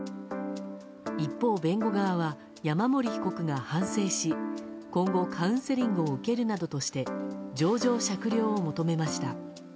一方、弁護側は山森被告が反省し今後、カウンセリングを受けるなどとして情状酌量を求めました。